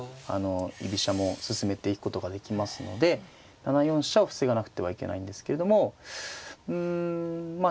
居飛車も進めていくことができますので７四飛車を防がなくてはいけないんですけれどもうんまあ